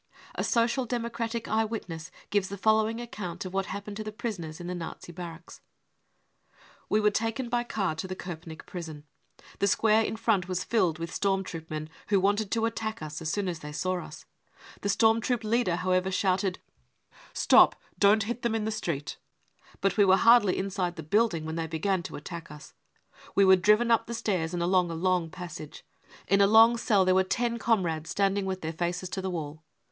A Social Democratic eye witness gives the following account of what happened to the prisoners in the Nazi barracks :" We were taken by car to the Kopenick prison. The square in front was filled with storm troop men, who wanted to attack us as soon as they saw us. The storm troop leader, however, shouted : e Stop, don't hit them in the street ! 9 But we were hardly inside the building MURDER 33 * when they began to attack us. We were driven up the stairs and along a long passage. In a long cell there were ten comrades standing with their faces to the wall.